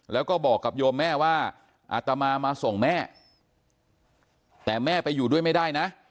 แล้วก็บอกกับโยมแม่ว่าอาตมามาส่งแม่แต่แม่ไปอยู่ด้วยไม่ได้นะ